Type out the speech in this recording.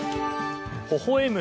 ほほ笑む